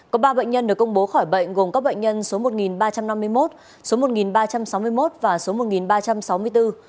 có ba bệnh nhân được công bố khỏi bệnh gồm các bệnh nhân số một ba trăm năm mươi một số một ba trăm sáu mươi một và số một ba trăm sáu mươi bốn